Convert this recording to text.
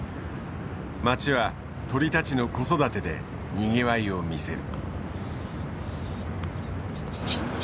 街は鳥たちの子育てでにぎわいを見せる。